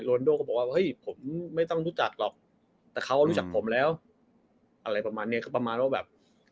วันโดก็บอกว่าเฮ้ยผมไม่ต้องรู้จักหรอกแต่เขารู้จักผมแล้วอะไรประมาณเนี้ยคือประมาณว่าแบบ